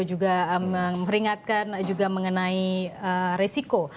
juga memperingatkan juga mengenai resiko